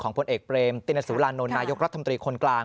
ของพลเอกเปลมตินซู่ลานดรอนายกรัฐธรรมตรีคนกลาง